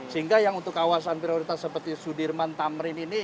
sehingga yang untuk kawasan prioritas seperti sudirman tamrin ini